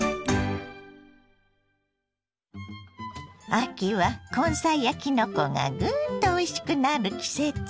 秋は根菜やきのこがグンとおいしくなる季節。